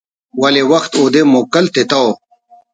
ولے وخت اودے موکل تتو